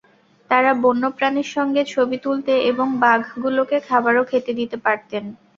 তাঁরা বন্য প্রাণীর সঙ্গে ছবি তুলতে এবং বাঘগুলোকে খাবারও খেতে দিতে পারতেন।